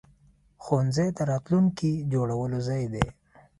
ښوونځی د راتلونکي جوړولو ځای دی.